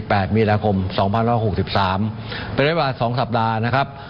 เป็นระยะวะ๒สัปดาห์นะครับ